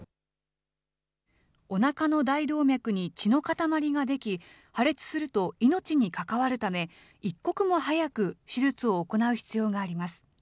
おなかの大動脈に血の塊が出来、破裂すると命に関わるため、一刻も早く手術を行う必要があります。